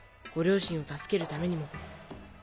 ご両親を助けるためにも。